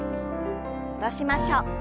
戻しましょう。